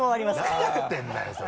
何やってるんだよそれ。